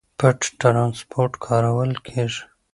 پټ ترانسپورت کارول کېږي.